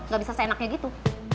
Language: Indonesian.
gak bisa seenaknya gitu